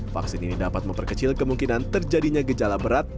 vaksin ini dapat memperkecil kemungkinan terjadinya gejala berat